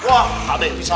wah ada yang bisa